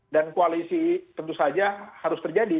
dan koalisi tentu saja harus terjadi